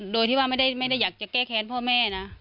โดยที่ว่าไม่ได้อยากจะแก้แค้นพ่อแม่นะ